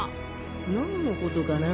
なんのことかな？